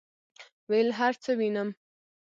ویل هرڅه وینم،